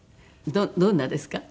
どんなですか？